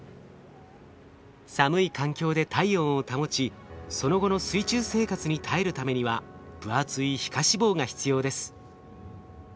寒い環境で体温を保ちその後の水中生活に耐えるためには分厚い皮下脂肪が必要です。